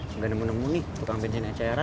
nggak ada yang menemu nih tukang biasanya di acara